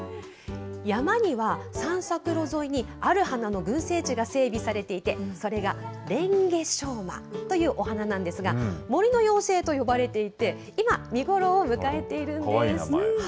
山には散策路沿いにある花の群生地が整備されていて、それがレンゲショウマというお花なんですが、森の妖精と呼ばれていて、今、見かわいい名前。